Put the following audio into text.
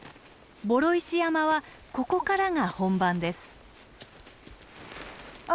双石山はここからが本番です。